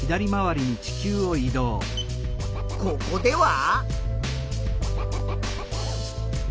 ここでは？